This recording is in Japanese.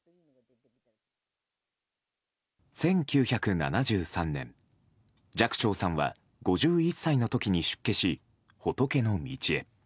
１９７３年、寂聴さんは５１歳の時に出家し、仏の道へ。